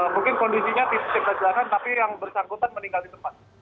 mungkin kondisinya tidak jaga jarak tapi yang bersangkutan meninggal di tempat